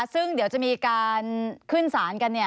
ซึ่งเดี๋ยวจะมีการขึ้นสารกัน